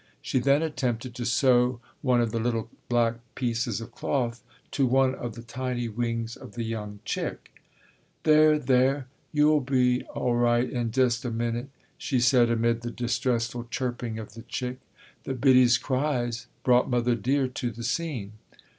She then attempted to sew one of the little black pieces of cloth to one of the tiny wings of the young chick. "There, there, yo'll be all 'ight in dest a minute," she said amid the distressful chirping of the chick. The biddie's cries brought Mother Dear to the scene.